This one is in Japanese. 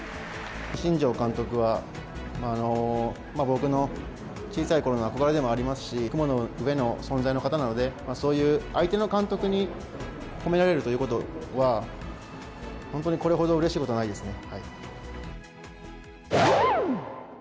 新庄監督は、僕の小さいころの憧れでもありますし、雲の上の存在の方なので、そういう相手の監督に褒められるということは、本当にこれほどうれしいことはないですね。